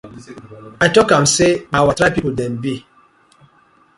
I tok am say na our tribe people dem bi.